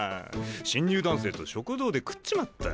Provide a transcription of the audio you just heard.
新入団生と食堂で食っちまった。